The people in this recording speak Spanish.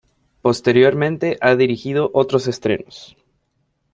Posteriormente ha dirigido otros estrenos.